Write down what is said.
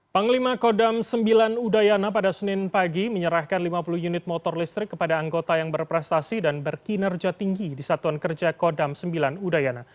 panglima kodam sembilan udayana pada senin pagi menyerahkan lima puluh unit motor listrik kepada anggota yang berprestasi dan berkinerja tinggi di satuan kerja kodam sembilan udayana